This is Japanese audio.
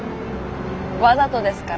わざとですから。